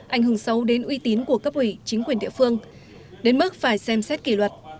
ảnh hưởng xấu đến uy tín của cấp ủy chính quyền địa phương đến mức phải xem xét kỷ luật